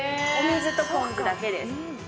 お水とぽん酢だけです。